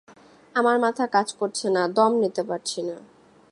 আমার মাথা কাজ করছে না, দম নিতে পারছি না।